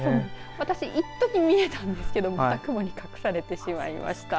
私、いっとき見えたんですけどまた雲に隠されてしまいました。